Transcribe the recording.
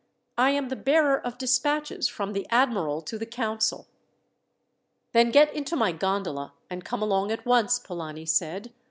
I am the bearer of despatches from the admiral to the council." "Then get into my gondola, and come along at once," Polani said.